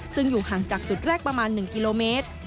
ซึ่งอยู่ห่างจากจุดแรกประมาณ๑กิโลเมตร